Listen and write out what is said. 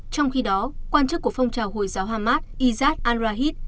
trong khi đó quan chức của phong trào hồi giáo hamas izzat al rahid